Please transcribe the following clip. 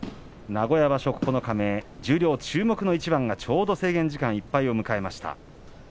名古屋場所九日目十両注目の一番が、ちょうど制限時間いっぱいを迎えました。